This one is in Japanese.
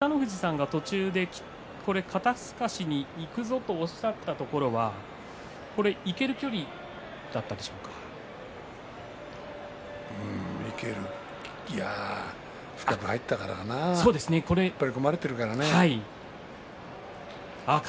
北の富士さんが途中肩すかしにいくぞとおっしゃったところはいける距離だったんでしょうか。